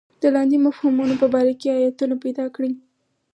د لاندې مفهومونو په باره کې ایتونه پیدا کړئ.